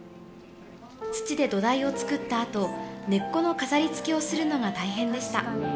土で土台を作ったあと、根っこの飾りつけをするのが大変でした。